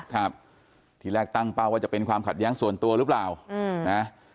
ครับที่แรกตั้งเป้าว่าจะเป็นความขัดแย้งส่วนตัวหรือเปล่านะ